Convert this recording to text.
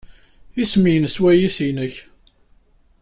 Isem-nnes wayis-nnek?